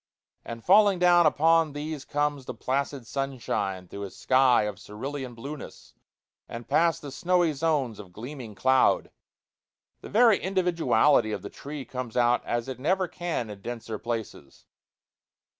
And falling down upon these comes the placid sunshine through a sky of cerulean blueness, and past the snowy zones of gleaming cloud. The very individuality of the tree comes out as it never can in denser places.